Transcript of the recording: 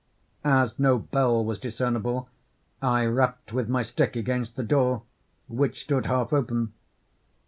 As no bell was discernible, I rapped with my stick against the door, which stood half open.